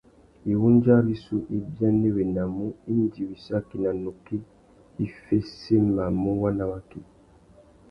Iwundja rissú i bianéwénamú indi wissaki nà nukí i féssémamú waná waki.